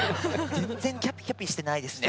全然キャピキャピしてないですね。